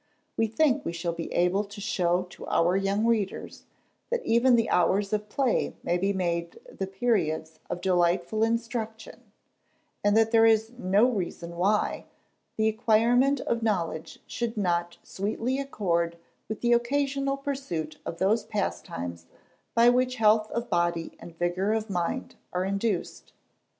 We think we shall be able to show to our young readers, that even the hours of play may be made the periods of delightful instruction; and that there is no "reason why" the acquirement of knowledge should not sweetly accord with the occasional pursuit of those pastimes by which health of body and vigour of mind are induced.